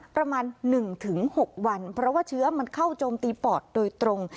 ประมาณ๑๖วันเพราะว่าเชื้อมันเข้าโจมตีปอดโดยตรง